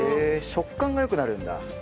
食感が良くなるんだ。